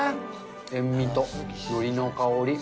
塩味とのりの香り。